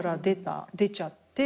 出ちゃって。